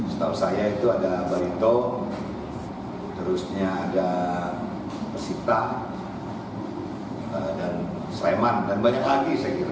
setahu saya itu ada barito terusnya ada pesipta dan sleman dan banyak lagi saya kira